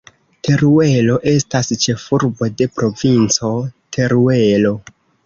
Teruelo estas ĉefurbo de Provinco Teruelo.